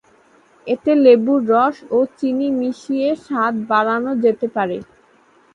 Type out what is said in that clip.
এতে লেবুর রস ও চিনি মিশিয়ে স্বাদ বাড়ানো যেতে পারে।